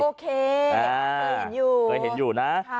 โอเคเคยเห็นอยู่